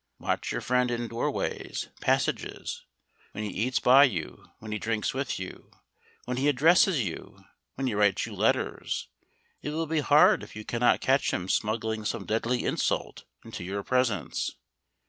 Watch your friend in doorways, passages; when he eats by you, when he drinks with you, when he addresses you, when he writes you letters. It will be hard if you cannot catch him smuggling some deadly insult into your presence.